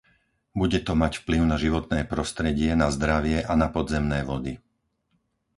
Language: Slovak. Bude to mať vplyv na životné prostredie, na zdravie a na podzemné vody.